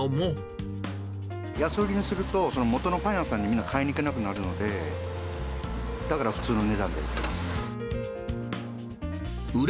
安売りにすると、もとのパン屋さんにみんなが買いに行かなくなるので、だから普通の値段で売